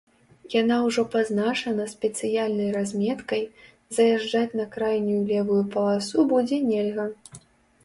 Яна ўжо пазначана спецыяльнай разметкай, заязджаць на крайнюю левую паласу будзе нельга.